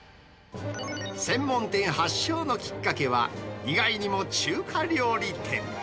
専門店発祥のきっかけは、意外にも中華料理店。